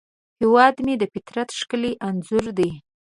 هیواد مې د فطرت ښکلی انځور دی